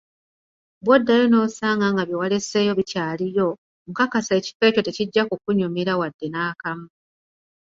Bw‘oddayo n‘osanga nga byewaleseeyo bikyaliyo, nkakasa ekifo ekyo tekijja kukunyumira wadde nakamu.